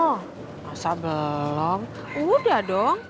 masa belum udah dong